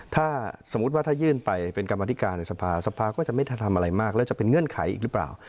ถ้าสมมุติว่าถ้ายื่นไปเป็นกรรมธิการในสภาสภาก็จะไม่ทำอะไรมากแล้วจะเป็นเงื่อนไขอีกหรือเปล่า